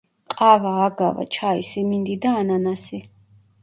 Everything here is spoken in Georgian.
ყავა, აგავა, ჩაი, სიმინდი და ანანასი.